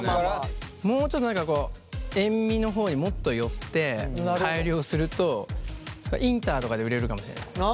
もうちょっと何かこう塩味の方にもっと寄って改良するとインターとかで売れるかもしれないですね。